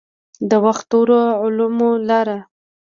د وخت نورو علومو لاره.